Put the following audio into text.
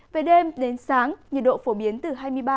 về đêm đến sáng nhiệt độ phổ biến từ hai mươi ba hai mươi sáu